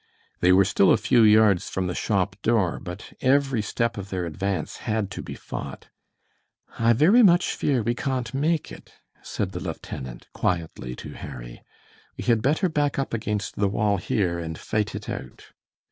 They were still a few yards from the shop door, but every step of their advance had to be fought. "I very much fear we can't make it," said the lieutenant, quietly to Harry. "We had better back up against the wall here and fight it out."